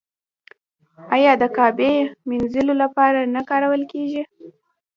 آیا د کعبې مینځلو لپاره نه کارول کیږي؟